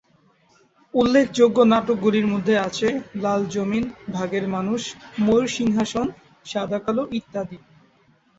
উল্লেখযোগ্য নাটকগুলির মধ্যে আছে "লাল জমিন", "ভাগের মানুষ", "ময়ূর সিংহাসন", "সাদা-কালো" ইত্যাদি।